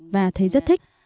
và thấy rất thích